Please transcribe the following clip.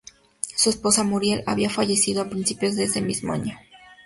Su esposa, Muriel, había fallecido a principios de ese mismo año.